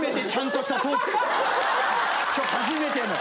今日初めての。